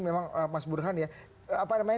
memang mas burhan ya